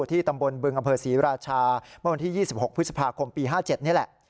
ที่ตำบลบึงอำเภอศรีราชาเมื่อวันที่๒๖พฤษภาคมปี๕๗นี่แหละ